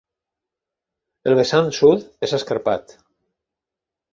El vessant sud és escarpat.